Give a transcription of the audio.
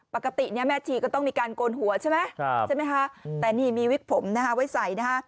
ปกติแม่ชีก็ต้องมีการโกนหัวใช่ไหมแต่นี่มีวิกผมไว้ใส่